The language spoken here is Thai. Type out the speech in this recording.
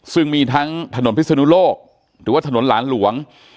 ซึ่งมีทั้งถนนพิศนุโลกหรือว่าถนนหลานหลวง